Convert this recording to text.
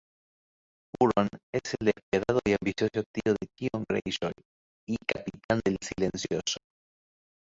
Euron es el despiadado y ambicioso tío de Theon Greyjoy y capitán del "Silencio".